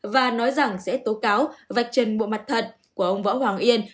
và nói rằng sẽ tố cáo vạch chân bộ mặt thật của ông võ hoàng yên